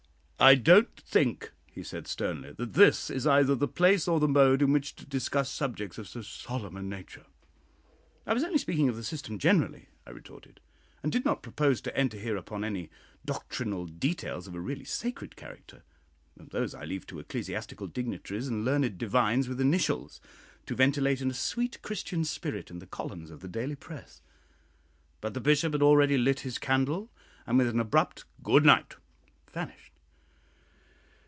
"I don't think," he said, sternly, "that this is either the place or the mode in which to discuss subjects of so solemn a nature." "I was only speaking of the system generally," I retorted, "and did not propose to enter here upon any doctrinal details of a really sacred character; those I leave to ecclesiastical dignitaries and learned divines with initials, to ventilate in a sweet Christian spirit in the columns of the daily press." But the Bishop had already lit his candle, and with an abrupt "good night," vanished.